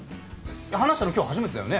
話したの今日初めてだよね？